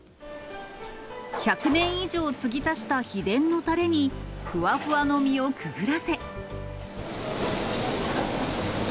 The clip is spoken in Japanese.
１００年以上継ぎ足した秘伝のたれに、ふわふわの身をくぐらせ。